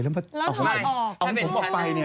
แล้วถอดออก